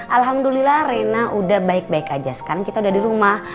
alhamdulillah rena udah baik baik aja sekarang kita udah di rumah